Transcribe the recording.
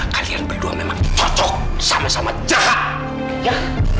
kalian berdua memang patok sama sama jahat ya